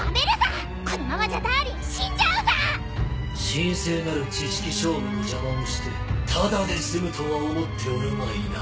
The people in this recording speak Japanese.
神聖なる知識勝負の邪魔をしてただで済むとは思っておるまいな。